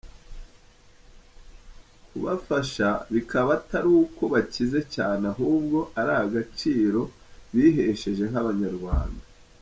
Kubafasha bikaba atari uko bakize cyane ahubwo ari agaciro bihesheje nk’Abanyarwanda.